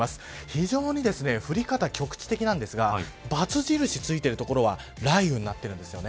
非常に降り方、局地的なんですがバツ印がついている所は雷雨になっているんです。